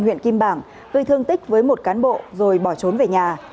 huyện kim bảng gây thương tích với một cán bộ rồi bỏ trốn về nhà